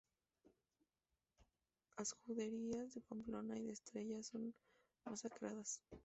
Las juderías de Pamplona y de Estella son masacradas.